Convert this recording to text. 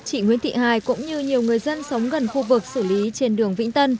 chị nguyễn thị hài cũng như nhiều người dân sống gần khu vực xử lý trên đường vĩnh tân